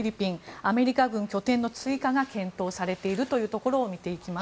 アメリカ軍拠点の追加が検討されているというところを見ていきます。